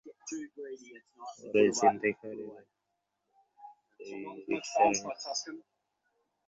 পরে ছিনতাইকারীরা দুই রিকশারোহীকে চাপাতি দিয়ে কুপিয়ে টাকাভর্তি ব্যাগটি নিয়ে পালিয়ে যায়।